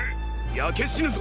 焼け死ぬぞ！！